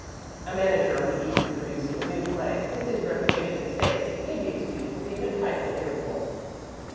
A manager on the eve of producing a new play, with his reputation at stake, may be excused for being a trifle irritable.